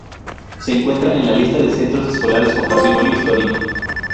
Se encuentra en la lista de Centros Escolares con Patrimonio Histórico.